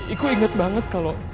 igo inget banget kalau